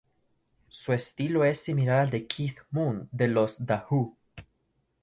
Su estilo es similar al de Keith Moon de los The Who.